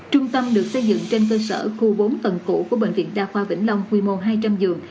trung tâm được xây dựng trên cơ sở khu bốn tầng cũ của bệnh viện đa khoa vĩnh long quy mô hai trăm linh giường